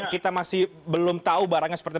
kita masih belum tahu barangnya seperti apa